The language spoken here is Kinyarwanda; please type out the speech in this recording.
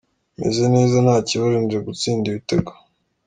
Meze neza nta kibazo, nje gutsinda ibitego”.